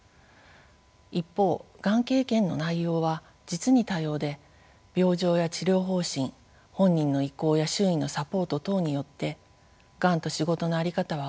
一方がん経験の内容は実に多様で病状や治療方針本人の意向や周囲のサポート等によってがんと仕事の在り方は大きく変わります。